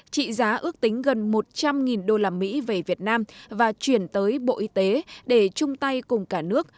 trị giá ước tính gần một trăm linh usd về việt nam và chuyển tới bộ y tế để chung tay cùng cả nước